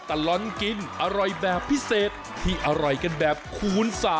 ตลอดกินอร่อยแบบพิเศษที่อร่อยกันแบบคูณ๓